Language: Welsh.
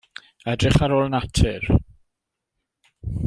Edrych ar ôl natur.